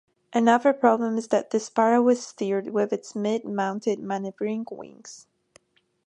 Another problem is that the Sparrow is steered with its mid-mounted maneuvering wings.